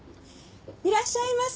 いらっしゃいませ。